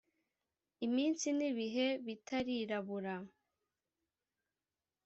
Iminsi n'ibihe bitarirabura